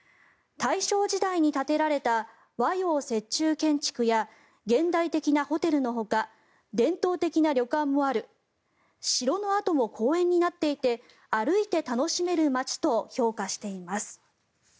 大正時代に建てられた和洋折衷建築や現代的なホテルのほか伝統的な旅館もある城の跡も公園になっていて歩いて楽しめる街と評価しています。